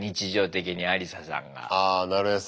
あなるへそ。